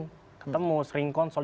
kami mau sering konsol